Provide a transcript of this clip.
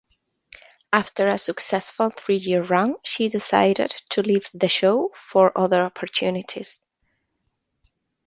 After a successful three-year run, she decided to leave the show for other opportunities.